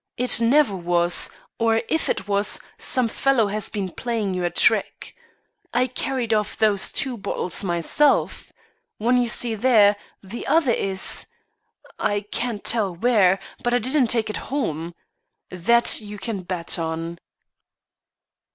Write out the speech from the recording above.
It never was, or, if it was, some fellow has been playing you a trick. I carried off those two bottles myself. One you see there; the other is I can't tell where; but I didn't take it home. That you can bet on."